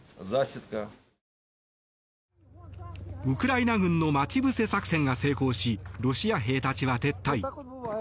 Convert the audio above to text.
ウクライナ軍の待ち伏せ作戦が成功しロシア兵たちは撤退。